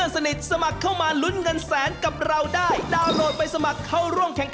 สนุกจุ๊กมายรถชวนกับอีกอย่าง